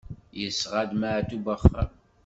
Yesɣa-d Maɛṭub axxam?